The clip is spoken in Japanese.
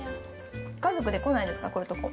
家族でか来ないんですか、こういうとこ。